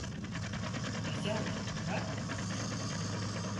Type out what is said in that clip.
Güzel, ha?